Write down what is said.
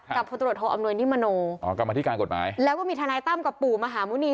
กับอ๋อกลับมาที่การกฎหมายแล้วก็มีธนายตั้มกับปู่มหามุณี